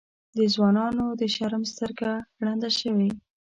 د ځوانانو د شرم سترګه ړنده شوې.